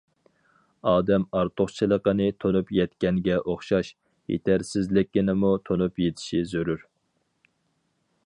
ئادەم ئارتۇقچىلىقىنى تونۇپ يەتكەنگە ئوخشاش، يېتەرسىزلىكىنىمۇ تونۇپ يېتىشى زۆرۈر.